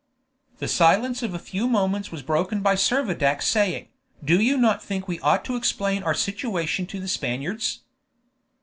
The silence of a few moments was broken by Servadac saying, "Do you not think we ought to explain our situation to the Spaniards?"